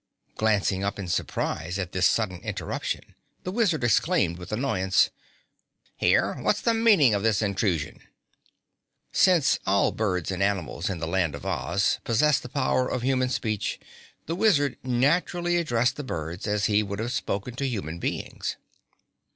Glancing up in surprise at this sudden interruption, the Wizard exclaimed with annoyance, "Here, what's the meaning of this intrusion?" (Since all birds and animals in the Land of Oz possess the power of human speech, the Wizard naturally addressed the birds as he would have spoken to human beings.)